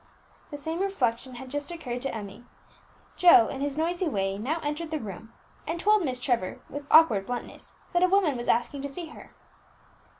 The same reflection had just occurred to Emmie. Joe, in his noisy way, now entered the room, and told Miss Trevor, with awkward bluntness, that a woman was asking to see her.